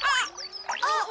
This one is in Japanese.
あっ！